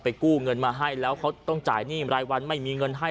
กู้เงินมาให้แล้วเขาต้องจ่ายหนี้รายวันไม่มีเงินให้